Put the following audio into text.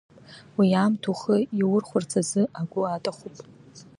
Уи аамҭа ухы иаурхәарц азы агәы аҭахуп.